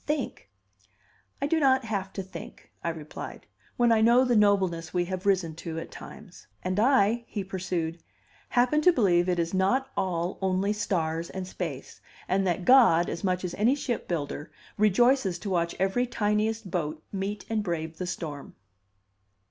Think!" "I do not have to think," I replied, "when I know the nobleness we have risen to at times." "And I," he pursued, "happen to believe it is not all only stars and space; and that God, as much as any ship builder, rejoices to watch every tiniest boat meet and brave the storm."